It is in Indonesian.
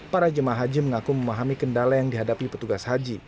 para jemaah haji mengaku memahami kendala yang dihadapi petugas haji